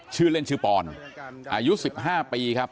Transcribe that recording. ชื่อเล่นชื่อปอนอายุ๑๕ปีครับ